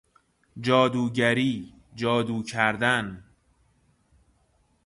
جادوگری، جادو کردن